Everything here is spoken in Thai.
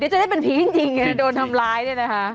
เดี๋ยวจะได้ผีจริงจะโดนทำร้ายนี่นะคะ